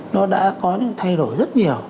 nó đã có những thay đổi rất nhiều